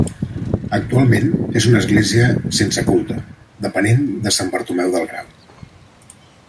Actualment és una església sense culte, depenent de Sant Bartomeu del Grau.